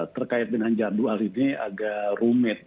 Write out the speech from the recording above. terkait dengan jadwal ini agak rumit